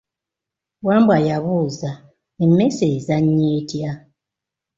Wambwa yabuuza, emmese ezannya etya?